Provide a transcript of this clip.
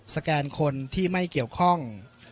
แกนคนที่ไม่เกี่ยวข้อง